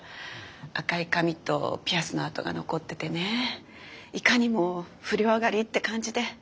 赤い髪とピアスの跡が残っててねいかにも不良上がりって感じで。